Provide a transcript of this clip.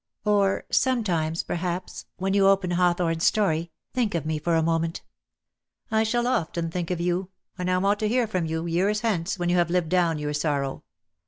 Or, sometimes, perhaps, when you open Hawthorne's story, think of me for a mo ment." "I shall often think of you; and I want to hear from you, years hence, when you have lived down your sorrow.